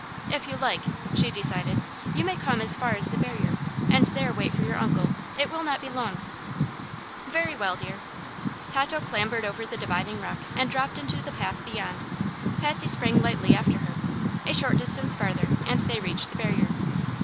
"If you like," she decided, "you may come as far as the barrier, and there wait for your uncle. It will not be long." "Very well, dear." Tato clambered over the dividing rock and dropped into the path beyond. Patsy sprang lightly after her. A short distance farther and they reached the barrier.